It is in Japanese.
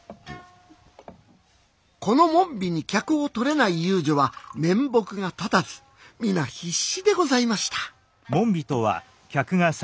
この紋日に客をとれない遊女は面目が立たず皆必死でございました。